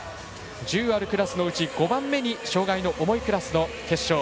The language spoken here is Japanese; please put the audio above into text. １０あるクラスのうち５番目に障がいの重いクラスの決勝。